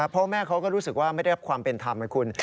พ่อแม่เขาก็รู้สึกว่าไม่ได้รับความเป็นธรรมนะคุณ